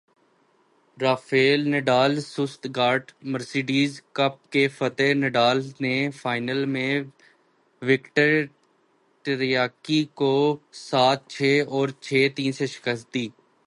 Rafale Nadal Stuttgart Mercedes Cup کے فاتح Nadal نے فائنل میں وکٹر ٹرائیکی کو سات چھے اور چھے تین سے شکست دی